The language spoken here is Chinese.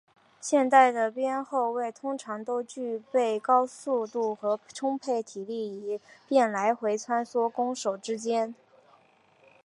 现代的边后卫通常都具备高速度和充沛体力以便来回穿梭攻守之间。